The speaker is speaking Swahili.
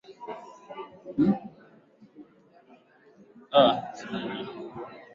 Mwenyekiti huyo anasema kuwa Ngarambe ipo upande wa Wilaya ya Rufiji Mkoa wa Pwani